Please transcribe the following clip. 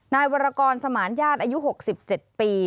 นายวรกรสมรญญาติอายุหกสิบเจ็ดปี